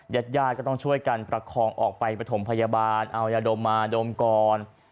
ญาติญาติก็ต้องช่วยกันประคองออกไปประถมพยาบาลเอายาดมมาดมก่อน